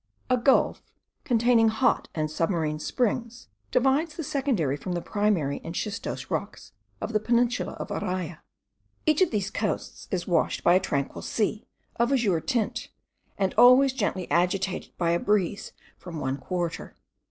A gulf, containing hot and submarine springs, divides the secondary from the primary and schistose rocks of the peninsula of Araya. Each of these coasts is washed by a tranquil sea, of azure tint, and always gently agitated by a breeze from one quarter.